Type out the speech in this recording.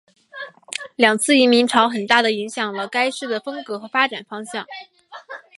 两次移民潮很大的影响了该市的风格和发展方向。